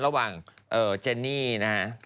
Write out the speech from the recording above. ระหว่างเจนนี่นะฮะ